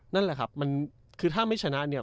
นั่นแหละครับมันคือถ้าไม่ชนะเนี่ย